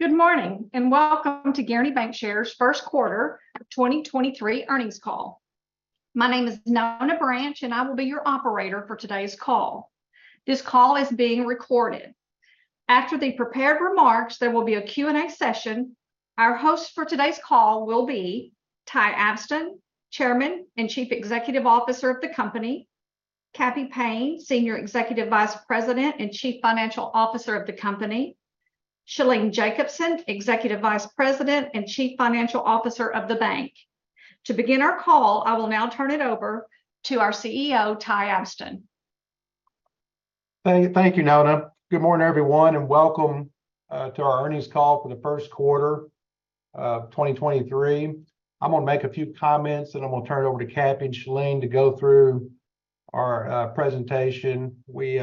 Good morning, and welcome to Guaranty Bancshares' first quarter of 2023 earnings call. My name is Nona Branch, and I will be your operator for today's call. This call is being recorded. After the prepared remarks, there will be a Q&A session. Our hosts for today's call will be Ty Abston, Chairman and Chief Executive Officer of the company, Cappy Payne, Senior Executive Vice President and Chief Financial Officer of the company, Shalene Jacobson, Executive Vice President and Chief Financial Officer of the bank. To begin our call, I will now turn it over to our CEO, Ty Abston. Thank you, Nona. Good morning, everyone. Welcome to our earnings call for the first quarter of 2023. I'm gonna make a few comments. I'm gonna turn it over to Cappy and Shalene to go through our presentation. We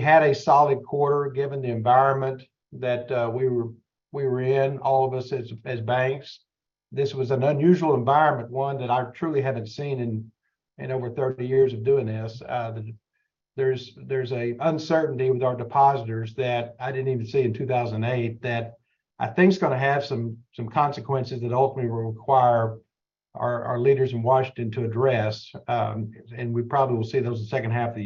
had a solid quarter, given the environment that we were in, all of us as banks. This was an unusual environment, one that I truly haven't seen in over 30 years of doing this. There's an uncertainty with our depositors that I didn't even see in 2008 that I think's gonna have some consequences that ultimately will require our leaders in Washington to address. We probably will see those the second half of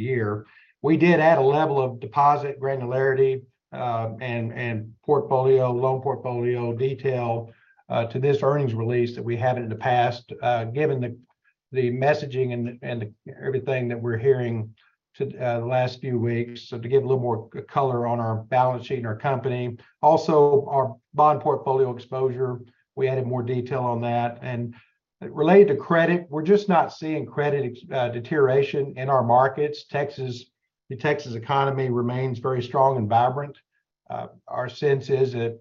the year. We did add a level of deposit granularity, and portfolio, loan portfolio detail to this earnings release that we hadn't in the past, given the messaging and everything that we're hearing the last few weeks, so to give a little more color on our balance sheet and our company. Also, our bond portfolio exposure, we added more detail on that. Related to credit, we're just not seeing credit deterioration in our markets. Texas, the Texas economy remains very strong and vibrant. Our sense is that,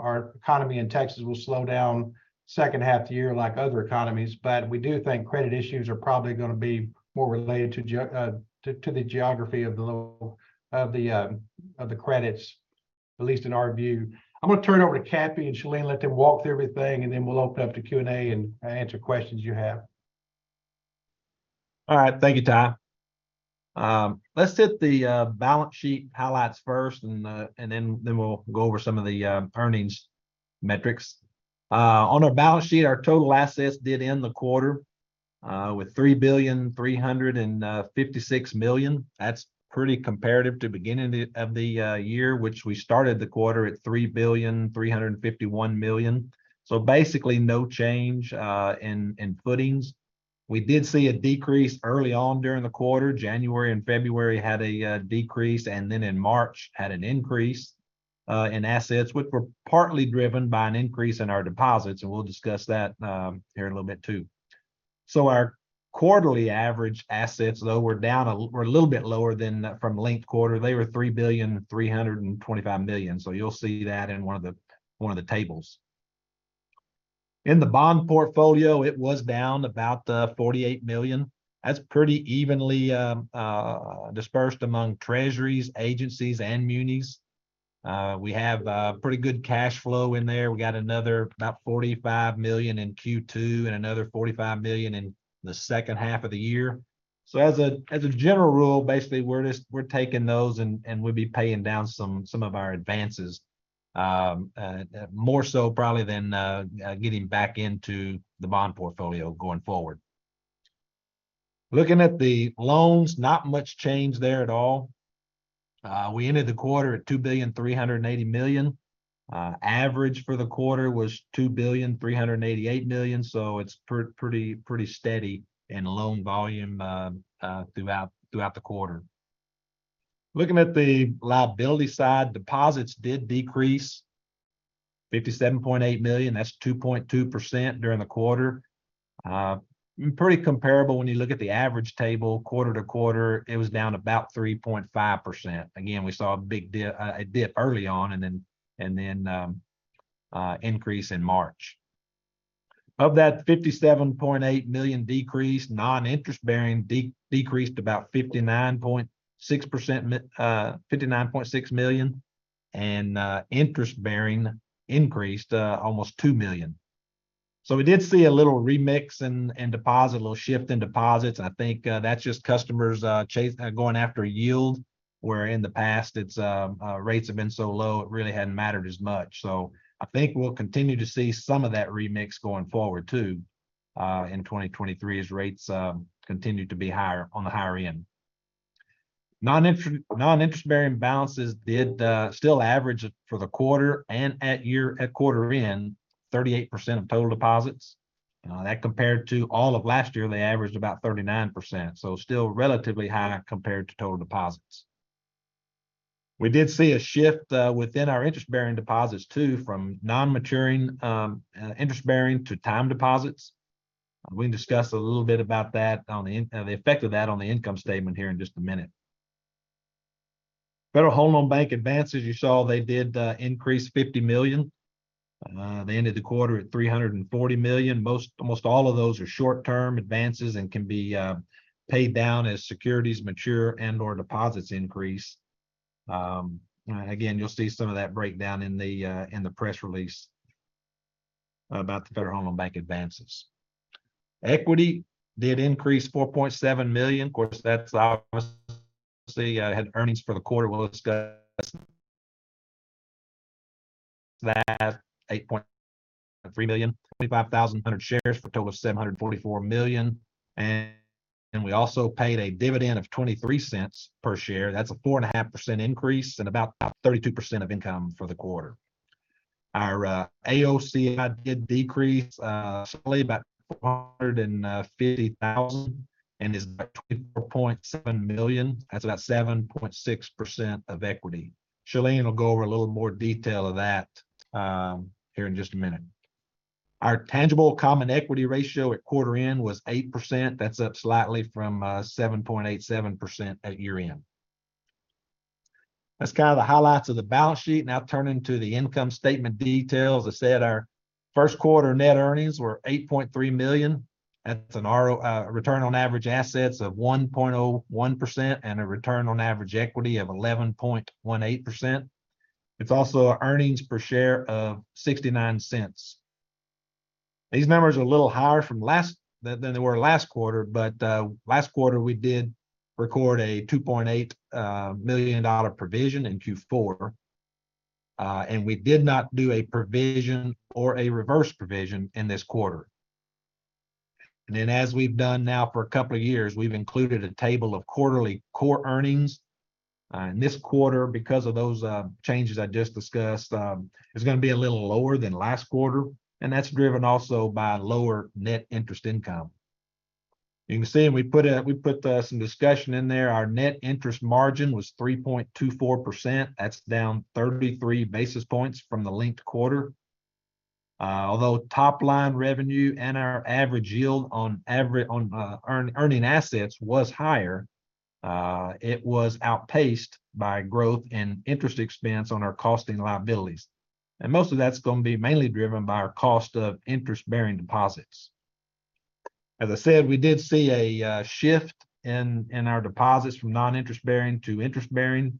our economy in Texas will slow down second half the year like other economies, but we do think credit issues are probably gonna be more related to the geography of the credits, at least in our view. I'm gonna turn it over to Cappy and Shalene, let them walk through everything, and then we'll open it up to Q&A and answer questions you have. All right. Thank you, Ty. Let's hit the balance sheet highlights first and then we'll go over some of the earnings metrics. On our balance sheet, our total assets did end the quarter with $3.356 billion. That's pretty comparative to beginning of the year, which we started the quarter at $3.351 billion. Basically, no change in footings. We did see a decrease early on during the quarter. January and February had a decrease, and then in March had an increase in assets, which were partly driven by an increase in our deposits, and we'll discuss that here in a little bit too. Our quarterly average assets, though, were a little bit lower than from linked quarter. They were $3.325 billion. You'll see that in one of the tables. In the bond portfolio, it was down about $48 million. That's pretty evenly dispersed among treasuries, agencies and munis. We have pretty good cash flow in there. We got another about $45 million in Q2 and another $45 million in the second half of the year. As a general rule, basically, we're taking those and we'll be paying down some of our advances more so probably than getting back into the bond portfolio going forward. Looking at the loans, not much change there at all. We ended the quarter at $2.38 billion. Average for the quarter was $2.388 billion, it's pretty steady in loan volume throughout the quarter. Looking at the liability side, deposits did decrease $57.8 million. That's 2.2% during the quarter. Pretty comparable when you look at the average table quarter to quarter. It was down about 3.5%. Again, we saw a big dip early on and then increase in March. Of that $57.8 million decrease, non-interest-bearing decreased about 59.6%, $59.6 million, and interest-bearing increased almost $2 million. We did see a little remix in deposit, a little shift in deposits. I think that's just customers going after yield, where in the past it's rates have been so low it really hadn't mattered as much. I think we'll continue to see some of that remix going forward, too, in 2023 as rates continue to be higher, on the higher end. Non-interest-bearing balances did still average for the quarter and at quarter end 38% of total deposits. That compared to all of last year, they averaged about 39%, so still relatively high compared to total deposits. We did see a shift within our interest-bearing deposits too, from non-maturing interest-bearing to time deposits. We can discuss a little bit about that on the effect of that on the income statement here in just a minute. Federal Home Loan Bank advances, you saw they did, increase $50 million. They ended the quarter at $340 million. Most, almost all of those are short term advances and can be paid down as securities mature and/or deposits increase. Again, you'll see some of that breakdown in the press release. About the Federal Home Loan Bank advances equity did increase $4.7 million. Of course, that's obviously had earnings for the quarter we'll discuss. That $8.3 million, 25,000 hundred shares for a total of $744 million. We also paid a dividend of $0.23 per share. That's a 4.5% increase and about 32% of income for the quarter. Our AOCI did decrease slightly about $450,000 and is about $24.7 million. That's about 7.6% of equity. Shalene will go over a little more detail of that here in just a minute. Our tangible common equity ratio at quarter end was 8%. That's up slightly from 7.87% at year-end. That's kind of the highlights of the balance sheet. Turning to the income statement details. I said our first quarter net earnings were $8.3 million. That's a return on average assets of 1.01% and a return on average equity of 11.18%. It's also an earnings per share of $0.69. These numbers are a little higher than they were last quarter. Last quarter, we did record a $2.8 million provision in Q4. We did not do a provision or a reverse provision in this quarter. As we've done now for a couple of years, we've included a table of quarterly core earnings. In this quarter, because of those changes I just discussed, it's gonna be a little lower than last quarter, and that's driven also by lower net interest income. You can see, we put some discussion in there. Our net interest margin was 3.24%. That's down 33 basis points from the linked quarter. Although top line revenue and our average yield on earning assets was higher, it was outpaced by growth and interest expense on our costing liabilities. Most of that's gonna be mainly driven by our cost of interest-bearing deposits. As I said, we did see a shift in our deposits from non-interest bearing to interest bearing,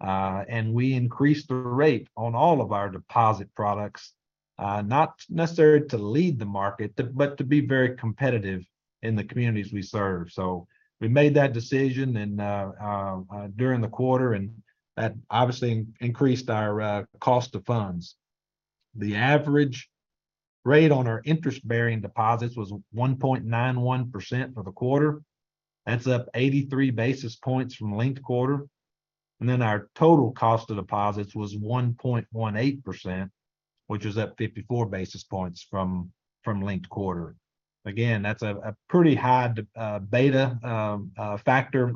and we increased the rate on all of our deposit products, not necessarily to lead the market, but to be very competitive in the communities we serve. We made that decision during the quarter, and that obviously increased our cost of funds. The average rate on our interest-bearing deposits was 1.91% for the quarter. That's up 83 basis points from linked quarter. Our total cost of deposits was 1.18%, which is up 54 basis points from linked quarter. That's a pretty high beta factor,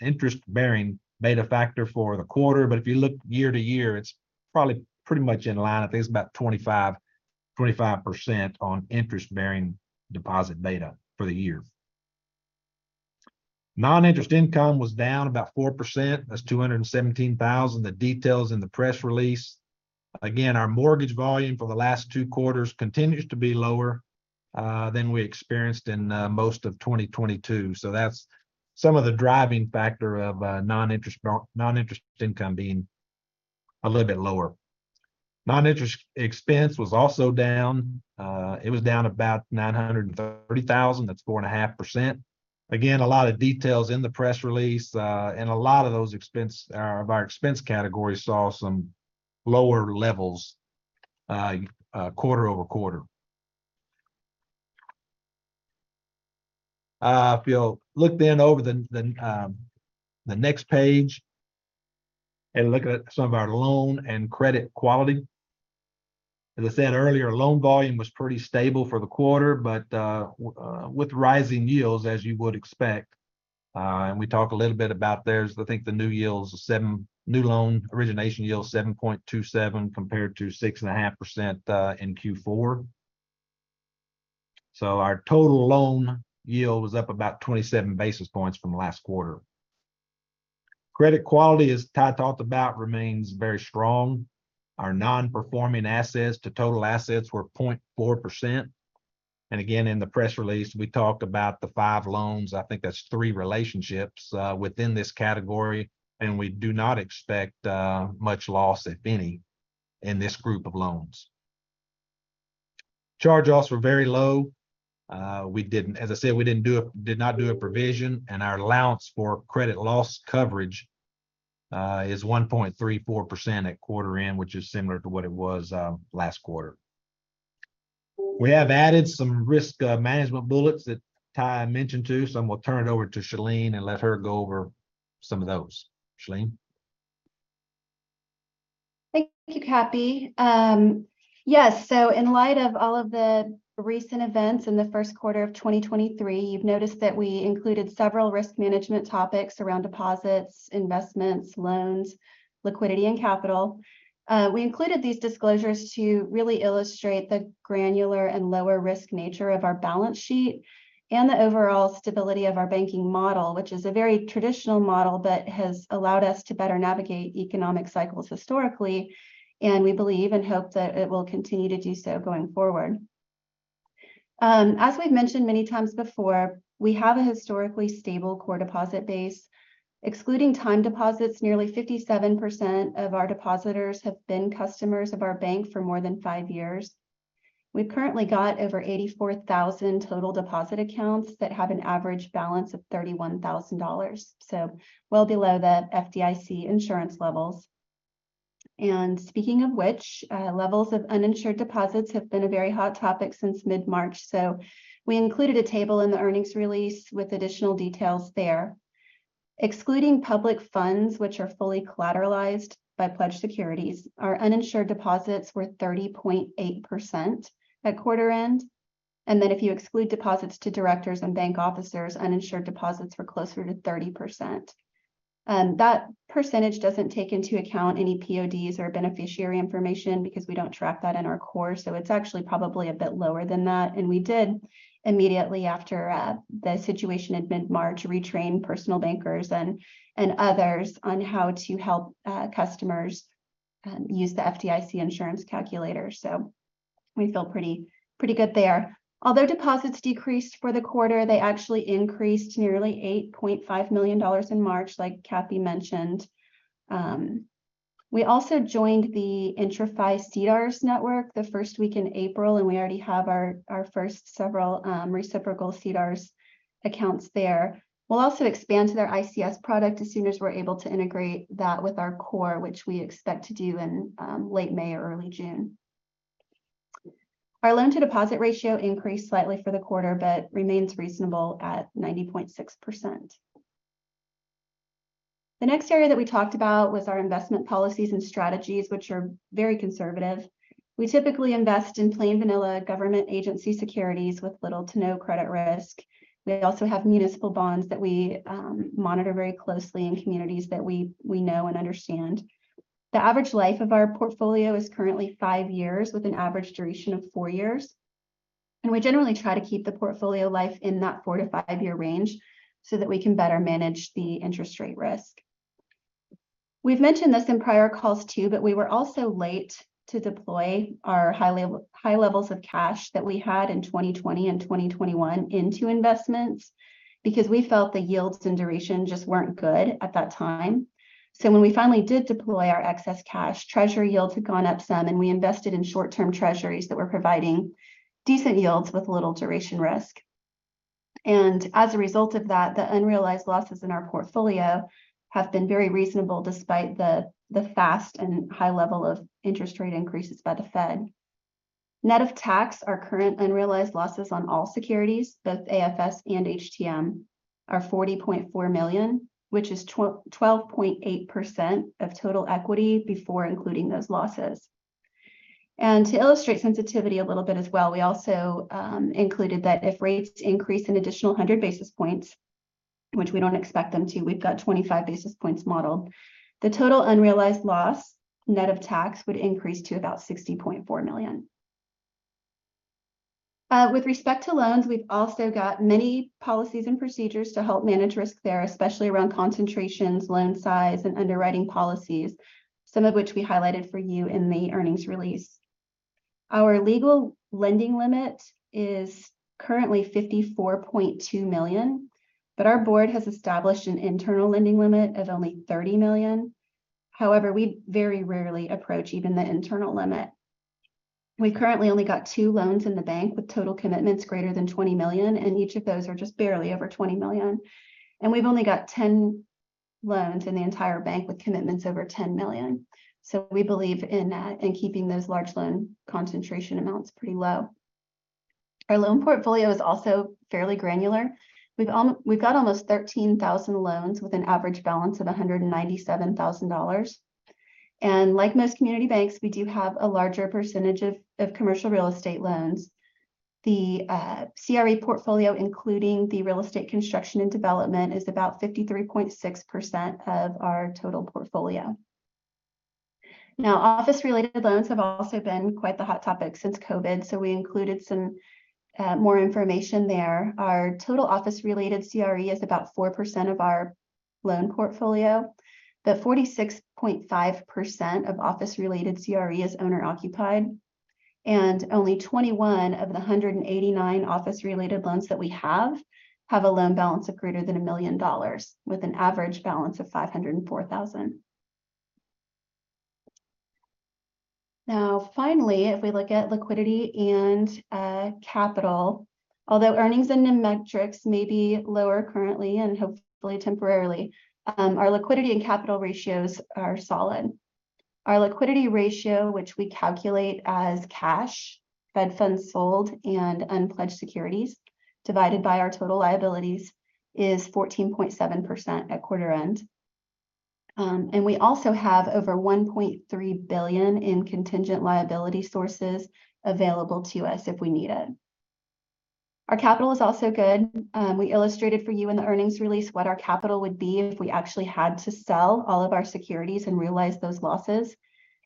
interest bearing beta factor for the quarter. If you look year-to-year, it's probably pretty much in line. I think it's about 25% on interest-bearing deposit beta for the year. Non-interest income was down about 4%. That's $217,000. The detail's in the press release. Again, our mortgage volume for the last two quarters continues to be lower than we experienced in most of 2022. That's some of the driving factor of non-interest income being a little bit lower. Non-interest expense was also down. It was down about $930,000. That's 4.5%. Again, a lot of details in the press release, and a lot of those of our expense categories saw some lower levels quarter-over-quarter. If you'll look then over the next page and look at some of our loan and credit quality. As I said earlier, loan volume was pretty stable for the quarter, but with rising yields, as you would expect, and we talk a little bit about there's I think the new yields, new loan origination yield 7.27 compared to 6.5% in Q4. Our total loan yield was up about 27 basis points from last quarter. Credit quality, as Ty talked about, remains very strong. Our non-performing assets to total assets were 0.4%. Again, in the press release, we talked about the five loans. I think that's three relationships within this category, and we do not expect much loss, if any, in this group of loans. Charge-offs were very low. We didn't, as I said, we didn't do a, did not do a provision, and our allowance for credit losses coverage is 1.34% at quarter end, which is similar to what it was last quarter. We have added some risk management bullets that Ty mentioned too. I'm gonna turn it over to Shalene and let her go over some of those. Shalene? Thank you, Cappy. Yes. In light of all of the recent events in the first quarter of 2023, you've noticed that we included several risk management topics around deposits, investments, loans, liquidity, and capital. We included these disclosures to really illustrate the granular and lower risk nature of our balance sheet and the overall stability of our banking model, which is a very traditional model that has allowed us to better navigate economic cycles historically, and we believe and hope that it will continue to do so going forward. As we've mentioned many times before, we have a historically stable core deposit base. Excluding time deposits, nearly 57% of our depositors have been customers of our bank for more than five years. We've currently got over 84,000 total deposit accounts that have an average balance of $31,000, so well below the FDIC insurance levels. Speaking of which, levels of uninsured deposits have been a very hot topic since mid-March, so we included a table in the earnings release with additional details there. Excluding public funds which are fully collateralized by pledged securities, our uninsured deposits were 30.8% at quarter end. If you exclude deposits to directors and bank officers, uninsured deposits were closer to 30%. That percentage doesn't take into account any PODs or beneficiary information because we don't track that in our core, so it's actually probably a bit lower than that. We did immediately after the situation in mid-March retrain personal bankers and others on how to help customers use the FDIC insurance calculator. We feel pretty good there. Although deposits decreased for the quarter, they actually increased nearly $8.5 million in March, like Cappy mentioned. We also joined the IntraFi CDARS network the first week in April, and we already have our first several reciprocal CDARS accounts there. We'll also expand to their ICS product as soon as we're able to integrate that with our core, which we expect to do in late May or early June. Our loan-to-deposit ratio increased slightly for the quarter, but remains reasonable at 90.6%. The next area that we talked about was our investment policies and strategies, which are very conservative. We typically invest in plain vanilla government agency securities with little to no credit risk. We also have municipal bonds that we monitor very closely in communities that we know and understand. The average life of our portfolio is currently five years with an average duration of four years. We generally try to keep the portfolio life in that four to five year range so that we can better manage the interest rate risk. We've mentioned this in prior calls too, but we were also late to deploy our high levels of cash that we had in 2020 and 2021 into investments because we felt the yields and duration just weren't good at that time. When we finally did deploy our excess cash, treasury yields had gone up some, and we invested in short-term treasuries that were providing decent yields with little duration risk. As a result of that, the unrealized losses in our portfolio have been very reasonable despite the fast and high level of interest rate increases by the Fed. Net of tax, our current unrealized losses on all securities, both AFS and HTM, are $40.4 million, which is 12.8% of total equity before including those losses. To illustrate sensitivity a little bit as well, we also included that if rates increase an additional 100 basis points, which we don't expect them to, we've got 25 basis points modeled, the total unrealized loss net of tax would increase to about $60.4 million. With respect to loans, we've also got many policies and procedures to help manage risk there, especially around concentrations, loan size, and underwriting policies, some of which we highlighted for you in the earnings release. Our legal lending limit is currently $54.2 million. Our board has established an internal lending limit of only $30 million. However, we very rarely approach even the internal limit. We currently only got 2 loans in the bank with total commitments greater than $20 million, and each of those are just barely over $20 million. We've only got 10 loans in the entire bank with commitments over $10 million. We believe in keeping those large loan concentration amounts pretty low. Our loan portfolio is also fairly granular. We've got almost 13,000 loans with an average balance of $197,000. Like most community banks, we do have a larger percentage of commercial real estate loans. The CRE portfolio, including the real estate construction and development, is about 53.6% of our total portfolio. Office related loans have also been quite the hot topic since COVID, so we included some more information there. Our total office related CRE is about 4% of our loan portfolio. The 46.5% of office related CRE is owner occupied, and only 21 of the 189 office related loans that we have have a loan balance of greater than $1 million with an average balance of $504,000. Finally, if we look at liquidity and capital, although earnings and metrics may be lower currently and hopefully temporarily, our liquidity and capital ratios are solid. Our liquidity ratio, which we calculate as cash, Fed funds sold, and unpledged securities divided by our total liabilities, is 14.7% at quarter end. We also have over $1.3 billion in contingent liability sources available to us if we need it. Our capital is also good. We illustrated for you in the earnings release what our capital would be if we actually had to sell all of our securities and realize those losses.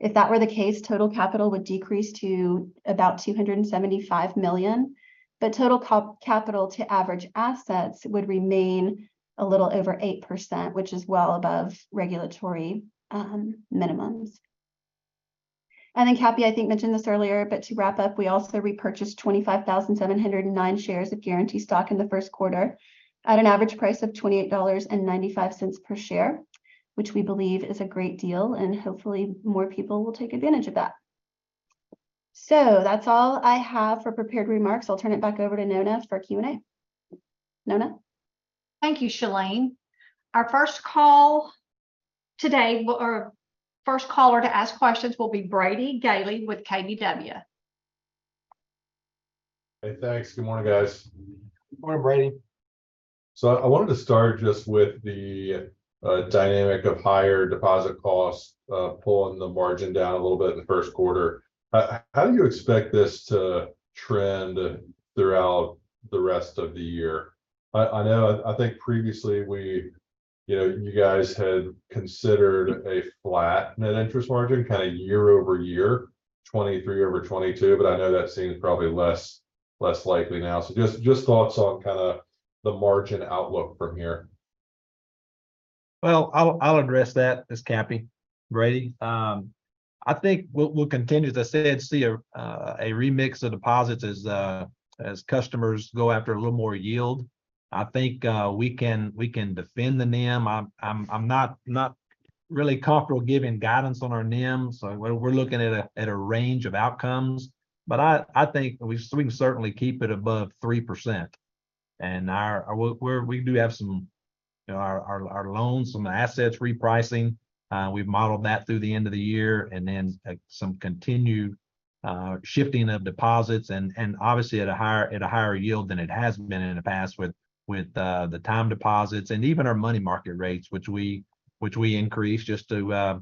If that were the case, total capital would decrease to about $275 million, but total capital to average assets would remain a little over 8%, which is well above regulatory minimums. Cappy, I think, mentioned this earlier, to wrap up, we also repurchased 25,709 shares of Guaranty stock in the first quarter at an average price of $28.95 per share, which we believe is a great deal, and hopefully more people will take advantage of that. That's all I have for prepared remarks. I'll turn it back over to Nona for Q&A. Nona? Thank you, Shalene. Our first call today, or first caller to ask questions will be Brady Gailey with KBW. Hey, thanks. Good morning, guys. Good morning, Brady. I wanted to start just with the dynamic of higher deposit costs, pulling the margin down a little bit in the first quarter. How do you expect this to trend throughout the rest of the year? I know I think previously we, you know, you guys had considered a flat net interest margin kind of year-over-year, 2023 over 2022, but I know that seems probably less likely now. Just, just thoughts on kind of the margin outlook from here. Well, I'll address that as Cappy. Brady, I think we'll continue to, as I said, see a remix of deposits as customers go after a little more yield. I think we can defend the NIM. I'm not really comfortable giving guidance on our NIM. We're looking at a range of outcomes. I think we can certainly keep it above 3%. We do have some, you know, our loans, some assets repricing, we've modeled that through the end of the year and then, like, some continued shifting of deposits and obviously at a higher, at a higher yield than it has been in the past with the time deposits and even our money market rates, which we increased just to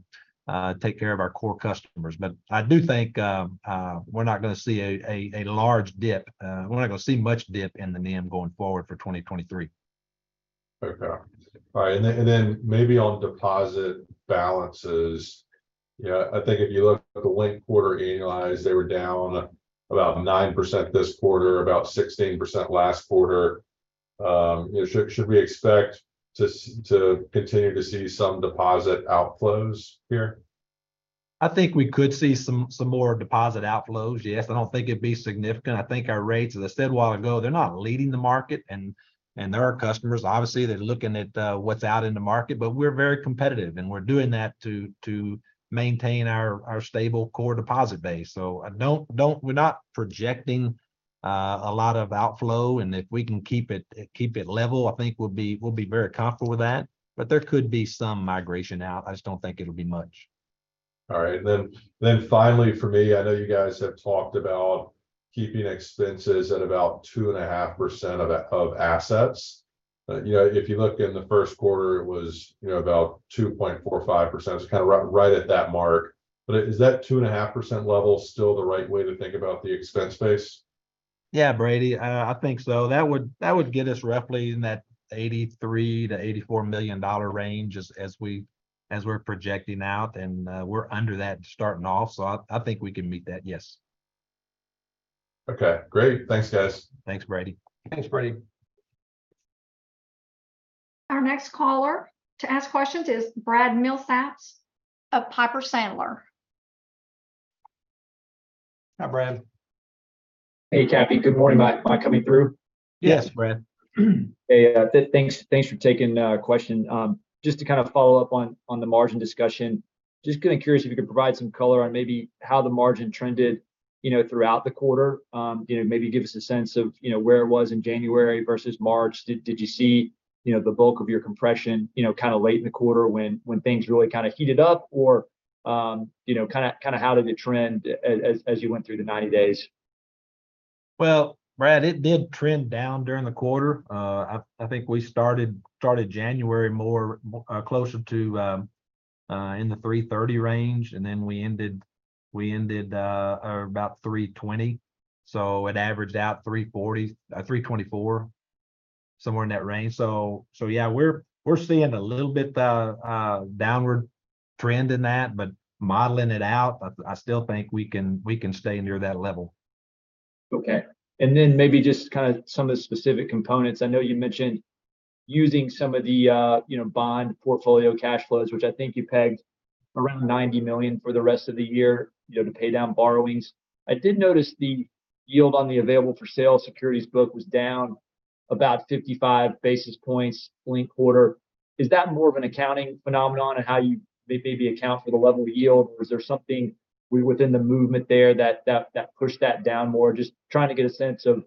take care of our core customers. I do think we're not going to see a large dip. We're not going to see much dip in the NIM going forward for 2023. Okay. All right. Maybe on deposit balances. Yeah, I think if you look at the linked quarter annualized, they were down about 9% this quarter, about 16% last quarter. You know, should we expect to continue to see some deposit outflows here? I think we could see some more deposit outflows, yes. I don't think it'd be significant. I think our rates, as I said a while ago, they're not leading the market and there are customers, obviously, they're looking at what's out in the market, but we're very competitive, and we're doing that to maintain our stable core deposit base. I don't we're not projecting a lot of outflow. If we can keep it level, I think we'll be very comfortable with that. There could be some migration out. I just don't think it'll be much. All right. finally for me, I know you guys have talked about keeping expenses at about 2.5% of assets. you know, if you look in the first quarter, it was, you know, about 2.45%. It's kind of right at that mark. is that 2.5% level still the right way to think about the expense base? Yeah, Brady, I think so. That would get us roughly in that $83 million-$84 million range as we're projecting out. We're under that starting off, so I think we can meet that, yes. Okay, great. Thanks, guys. Thanks, Brady. Our next caller to ask questions is Brad Millsaps of Piper Sandler. Hi, Brad. Hey, Cappy. Good morning. Am I coming through? Yes, Brad. Hey, thanks for taking a question. Just to kind of follow up on the margin discussion, just kind of curious if you could provide some color on maybe how the margin trended, you know, throughout the quarter. You know, maybe give us a sense of, you know, where it was in January versus March. Did you see, you know, the bulk of your compression, you know, kind of late in the quarter when things really kind of heated up? Or, you know, kind of how did it trend as you went through the 90 days? Well, Brad, it did trend down during the quarter. I think we started January more closer to in the 3.30% range. We ended about 3.20%. It averaged out 3.40%, 3.24%, somewhere in that range. Yeah, we're seeing a little bit downward trend in that. Modeling it out, I still think we can stay near that level. Maybe just kind of some of the specific components. I know you mentioned using some of the, you know, bond portfolio cash flows, which I think you pegged around $90 million for the rest of the year, you know, to pay down borrowings. I did notice the yield on the available for sale securities book was down about 55 basis points linked quarter. Is that more of an accounting phenomenon and how you account for the level of yield? Is there something within the movement there that pushed that down more? Just trying to get a sense of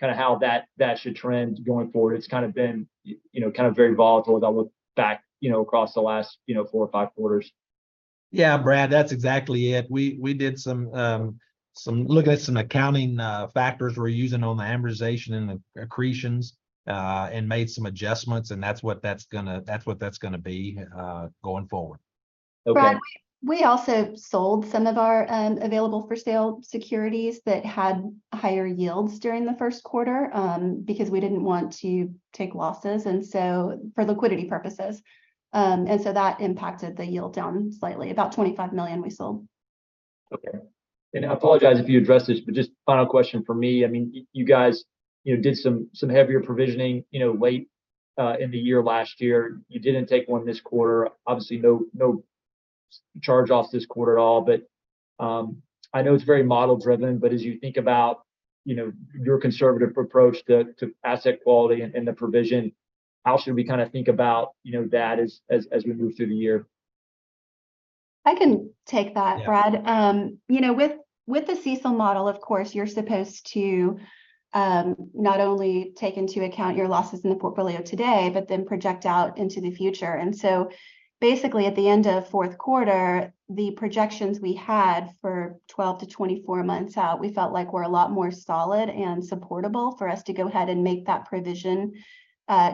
kind of how that should trend going forward. It's kind of been, you know, kind of very volatile if I look back, you know, across the last, you know, four or five quarters. Yeah, Brad, that's exactly it. We did some looked at some accounting factors we're using on the amortization and the accretions and made some adjustments, and that's what that's gonna be going forward. Okay. Brad, we also sold some of our available for sale securities that had higher yields during the first quarter, because we didn't want to take losses, and so for liquidity purposes. That impacted the yield down slightly. About $25 million we sold. Okay. I apologize if you addressed this, but just final question from me. I mean, you guys, you know, did some heavier provisioning, you know, uncertain. In the year last year, you didn't take one this quarter. Obviously no charge off this quarter at all. I know it's very model-driven, but as you think about, you know, your conservative approach to asset quality and the provision, how should we kind of think about, you know, that as we move through the year? I can take that, Brad. Yeah. you know, with the CECL model, of course, you're supposed to not only take into account your losses in the portfolio today, but then project out into the future. Basically at the end of fourth quarter, the projections we had for 12 - 24 months out, we felt like were a lot more solid and supportable for us to go ahead and make that provision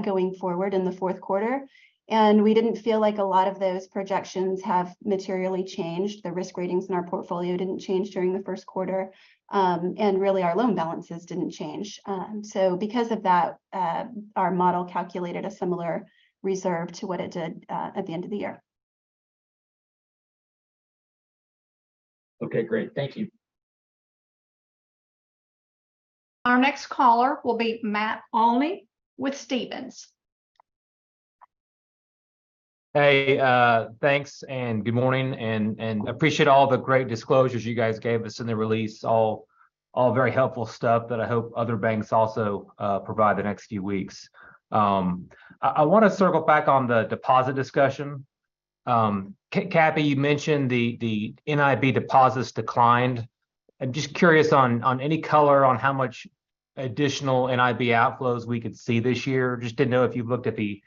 going forward in the fourth quarter. We didn't feel like a lot of those projections have materially changed. The risk ratings in our portfolio didn't change during the first quarter. Really our loan balances didn't change. Because of that, our model calculated a similar reserve to what it did at the end of the year. Okay, great. Thank you. Our next caller will be Matt Olney with Stephens. Hey, thanks and good morning and appreciate all the great disclosures you guys gave us in the release. All very helpful stuff that I hope other banks also provide the next few weeks. I want to circle back on the deposit discussion. Cappy, you mentioned the NIB deposits declined. I'm just curious on any color on how much additional NIB outflows we could see this year. Just didn't know if you've looked at the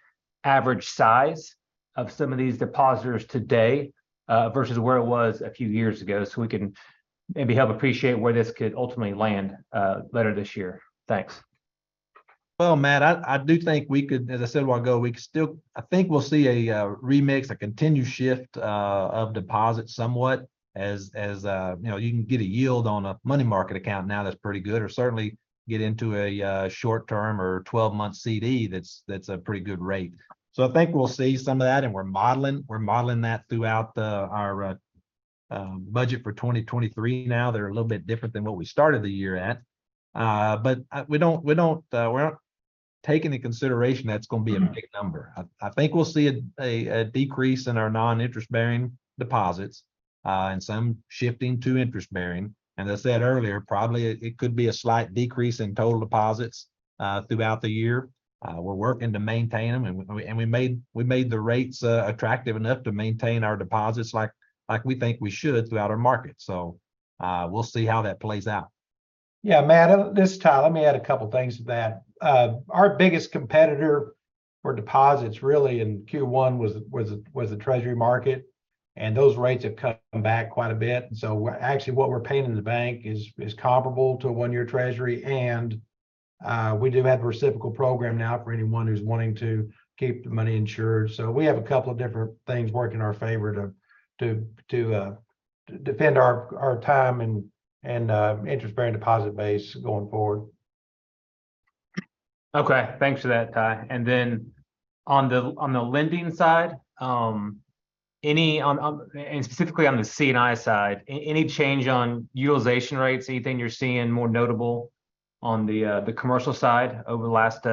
average size of some of these depositors today versus where it was a few years ago, so we can maybe help appreciate where this could ultimately land later this year. Thanks. Well, Matt, I do think we could, as I said a while ago, we could I think we'll see a remix, a continued shift of deposits somewhat as, you know, you can get a yield on a money market account now that's pretty good or certainly get into a short term or 12-month CD that's a pretty good rate. I think we'll see some of that, and we're modeling that throughout the, our budget for 2023 now. They're a little bit different than what we started the year at. We don't, we're not taking into consideration that's gonna be a big number. I think we'll see a decrease in our non-interest bearing deposits and some shifting to interest bearing. As I said earlier, probably it could be a slight decrease in total deposits throughout the year. We're working to maintain them and we made the rates attractive enough to maintain our deposits like we think we should throughout our market. We'll see how that plays out. Yeah, Matt, this is Ty. Let me add a couple things to that. Our biggest competitor for deposits really in Q1 was the Treasury market, and those rates have come back quite a bit. Actually what we're paying in the bank is comparable to a one-year Treasury and we do have a reciprocal program now for anyone who's wanting to keep the money insured. We have a couple of different things working in our favor to defend our time and interest-bearing deposit base going forward. Okay. Thanks for that, Ty. On the lending side, any and specifically on the C&I side, any change on utilization rates? Anything you're seeing more notable on the commercial side over the last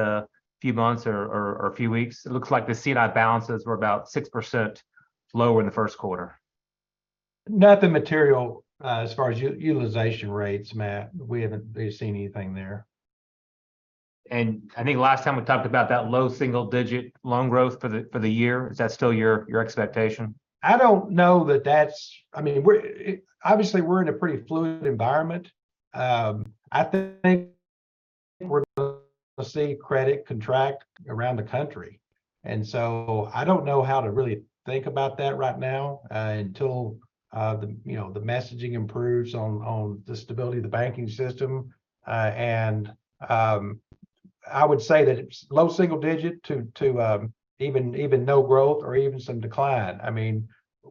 few months or few weeks? It looks like the C&I balances were about 6% lower in the first quarter. Nothing material, as far as utilization rates, Matt. We haven't really seen anything there. I think last time we talked about that low single digit loan growth for the year. Is that still your expectation? I don't know I mean, we're obviously in a pretty fluid environment. I think we're see credit contract around the country. I don't know how to really think about that right now, until the, you know, the messaging improves on the stability of the banking system. I would say that it's low single digit to even no growth or even some decline. I mean,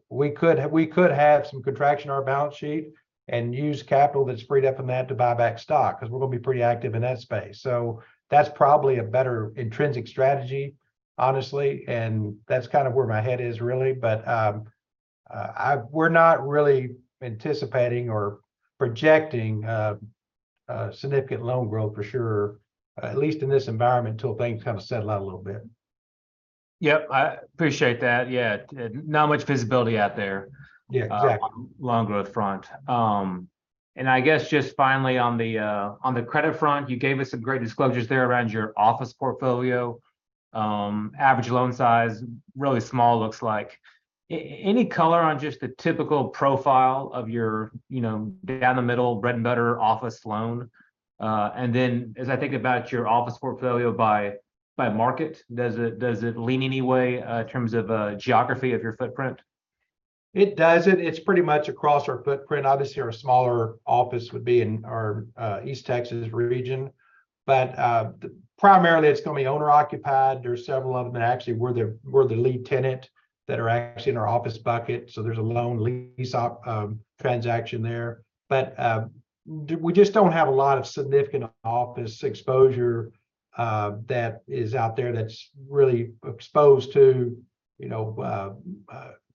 we could have some contraction on our balance sheet and use capital that's freed up in that to buy back stock 'cause we're gonna be pretty active in that space. That's probably a better intrinsic strategy, honestly, and that's kind of where my head is really. We're not really anticipating or projecting a significant loan growth for sure, at least in this environment, until things kind of settle out a little bit. Yep. I appreciate that. Yeah. Not much visibility out there. Yeah, exactly. on loan growth front. I guess just finally on the credit front, you gave us some great disclosures there around your office portfolio. Average loan size, really small, looks like. Any color on just the typical profile of your, you know, down the middle, bread and butter office loan? As I think about your office portfolio by market, does it lean any way in terms of geography of your footprint? It does. It's pretty much across our footprint. Obviously our smaller office would be in our East Texas region, but primarily it's gonna be owner occupied. There's several of them that actually we're the lead tenant that are actually in our office bucket, so there's a loan lease op transaction there. We just don't have a lot of significant office exposure that is out there that's really exposed to. You know,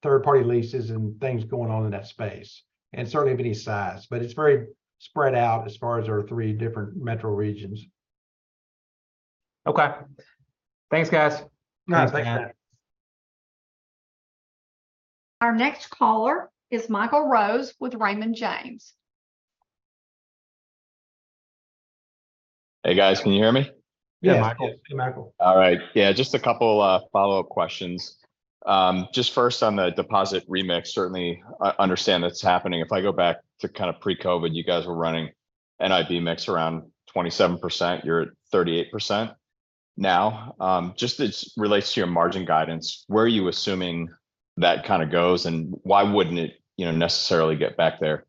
third party leases and things going on in that space. Certainly of any size. It's very spread out as far as our three different metro regions. Okay. Thanks, guys. No, thanks for having me. Our next caller is Michael Rose with Raymond James. Hey, guys. Can you hear me? Yeah, Michael. Hey, Michael. All right. Yeah, just a couple follow-up questions. Just first on the deposit remix. Certainly, I understand that's happening. If I go back to kind of pre-COVID, you guys were running NIB mix around 27%. You're at 38% now. Just as it relates to your margin guidance, where are you assuming that kind of goes, and why wouldn't it, you know, necessarily get back there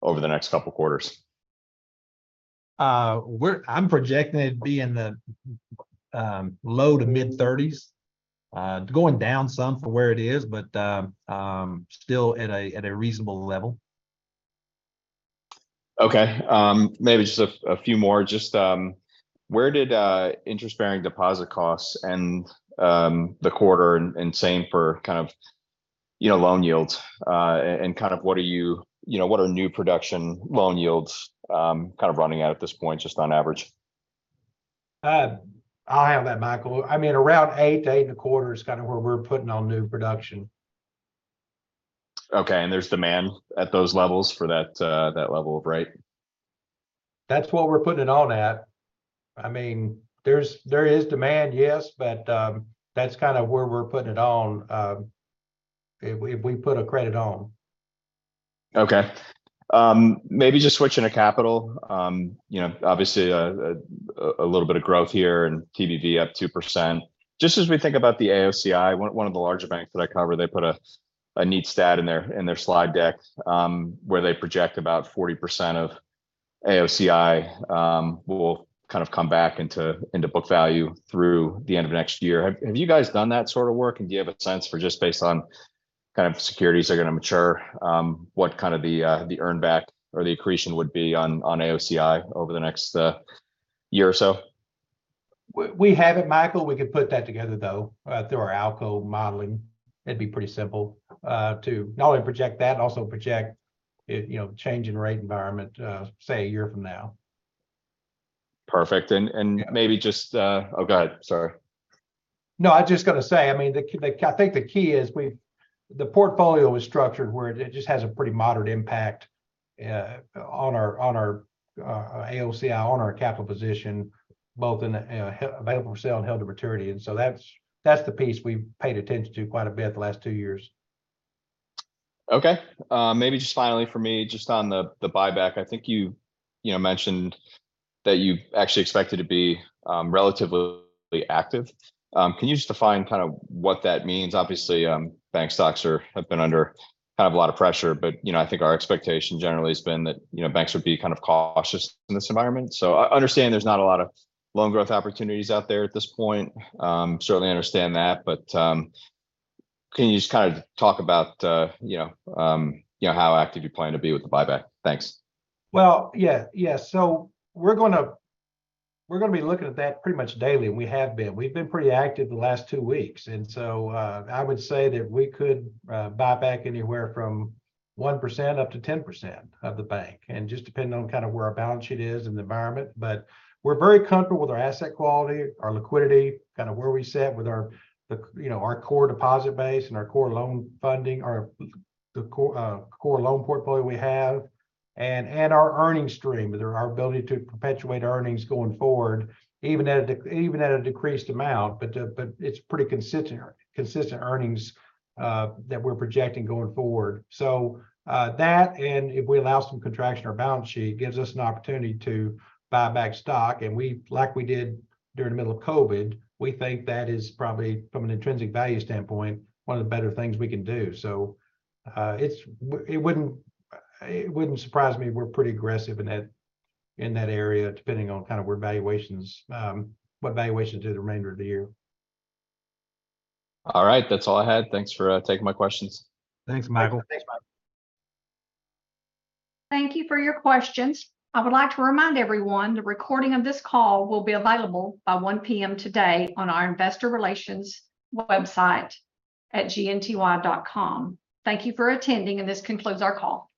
over the next couple quarters? I'm projecting it to be in the low to mid-30s. Going down some from where it is, but still at a reasonable level. Okay. Maybe just a few more. Where did interest-bearing deposit costs end the quarter and same for kind of, you know, loan yields? Kind of what are you know, what are new production loan yields kind of running at this point just on average? I'll have that, Michael. I mean, around 8-8.25 is kind of where we're putting on new production. Okay, there's demand at those levels for that level of rate? That's what we're putting it on at. I mean, there is demand, yes, but that's kind of where we're putting it on, if we put a credit on. Okay. Maybe just switching to capital. You know, obviously, a little bit of growth here and TBV up 2%. Just as we think about the AOCI, one of the larger banks that I cover they put a neat stat in their slide deck, where they project about 40% of AOCI will kind of come back into book value through the end of next year. Have you guys done that sort of work, and do you have a sense for just based on kind of securities that are gonna mature, what kind of the earn back or the accretion would be on AOCI over the next year or so? We haven't, Michael. We could put that together though, through our ALCO modeling. It'd be pretty simple to not only project that, also project it, you know, change in rate environment, say a year from now. Perfect. And maybe just. Oh, go ahead. Sorry. No, I just gotta say, I mean, I think the key is the portfolio is structured where it just has a pretty moderate impact on our AOCI, on our capital position, both in available for sale and held to maturity. That's the piece we've paid attention to quite a bit the last two years. Okay. maybe just finally for me just on the buyback, I think you know, mentioned that you actually expected to be relatively active. Can you just define kind of what that means? Obviously, bank stocks are, have been under kind of a lot of pressure but, you know, I think our expectation generally has been that, you know, banks would be kind of cautious in this environment. I understand there's not a lot of loan growth opportunities out there at this point. Certainly understand that. Can you just kind of talk about, you know, how active you plan to be with the buyback? Thanks. Yeah. We're gonna be looking at that pretty much daily, and we have been. We've been pretty active the last two weeks. I would say that we could buy back anywhere from 1% up to 10% of the bank, and just depending on kind of where our balance sheet is and the environment. We're very comfortable with our asset quality, our liquidity, kind of where we sit with our, you know, our core deposit base and our core loan funding, our the core loan portfolio we have, and our earnings stream. Our ability to perpetuate earnings going forward even at a decreased amount. But it's pretty consistent earnings that we're projecting going forward. That and if we allow some contractional balance sheet gives us an opportunity to buy back stock, and we, like we did during the middle of COVID, we think that is probably from an intrinsic value standpoint one of the better things we can do. It wouldn't surprise me if we're pretty aggressive in that area depending on kind of where valuations, what valuations do the remainder of the year. All right. That's all I had. Thanks for taking my questions. Thanks, Michael. Thanks, Michael. Thank you for your questions. I would like to remind everyone the recording of this call will be available by 1:00 P.M. today on our investor relations website at gnty.com. Thank you for attending, this concludes our call.